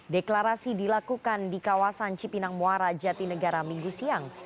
deklarasi dilakukan di kawasan cipinangmuara jati negara minggu siang